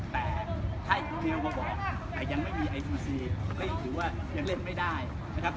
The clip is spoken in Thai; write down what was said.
แต่ถ้าอุดีลมาว่ายังไม่มีไอธิศพิธรรมคือว่าเป็นเยี่ยมไม่ได้